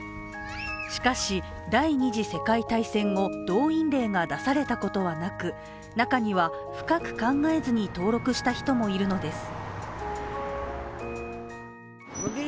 しかし、第二次世界大戦後、動員令が出されたことはなく中には深く考えずに登録した人もいるのです。